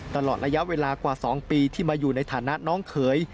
ตลอดระยะเวลากว่า๒ปีที่มาอยู่ในฐานะน้องเขย